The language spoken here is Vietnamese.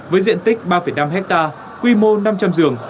với diện tích ba năm hectare quy mô năm trăm linh giường